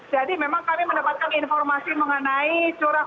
jadi memang kami mendapatkan informasi mengenai curah